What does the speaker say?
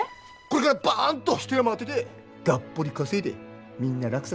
これからバンと一山当ててがっぽり稼いでみんな楽させてやるから。